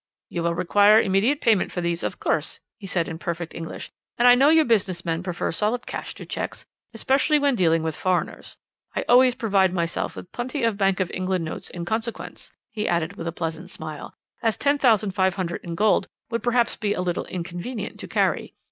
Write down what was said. "'You will require immediate payment for these, of course,' he said in perfect English, 'and I know you business men prefer solid cash to cheques, especially when dealing with foreigners. I always provide myself with plenty of Bank of England notes in consequence,' he added with a pleasant smile, 'as £10,500 in gold would perhaps be a little inconvenient to carry.